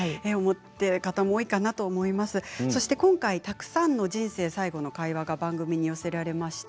今回たくさんの「人生最後の会話」が寄せられました。